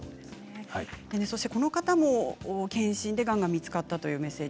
この方も健診でがんが見つかったというメッセージ